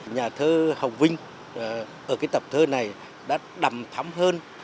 nhà thơ hồng vinh ở tập thơ này đã đảm thắm hơn